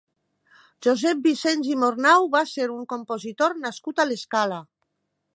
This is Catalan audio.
Josep Vicens i Mornau va ser un compositor nascut a l'Escala.